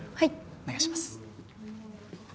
お願いします。